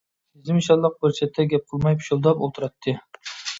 ھېزىم شاللاق بىر چەتتە گەپ قىلماي پۇشۇلداپ ئولتۇراتتى.